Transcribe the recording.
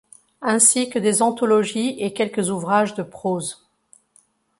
Ainsi que des anthologies et quelques ouvrages de proses.